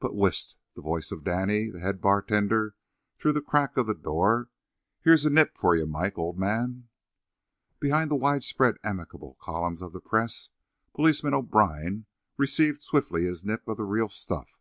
But, whisht! The voice of Danny, the head bartender, through the crack of the door: "Here's a nip for ye, Mike, ould man." Behind the widespread, amicable columns of the press Policeman O'Brine receives swiftly his nip of the real stuff.